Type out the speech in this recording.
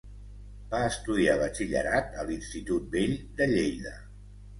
Va estudiar batxillerat a l'Institut Vell de Lleida.